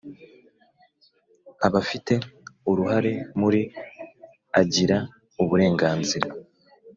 Abafite uruhare muri agira uburenganzira